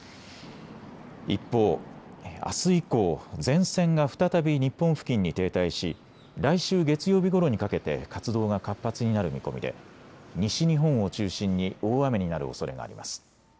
一方、あす以降、前線が再び日本付近に停滞し来週月曜日ごろにかけて活動が活発になる見込みで西日本を中心に大雨になるおそれがあります。